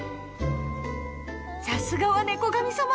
さすがは猫神さま！